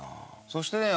そしてね